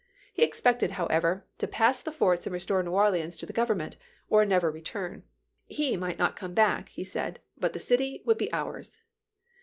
He expected, however, to pass the forts and restore New Orleans to the Oovernment, or never return. He might not come back, he said, but the city would be ours."